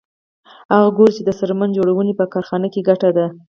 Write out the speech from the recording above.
هغه ګوري چې د څرمن جوړونې په کارخانه کې ګټه ده